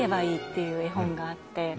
いう絵本があって。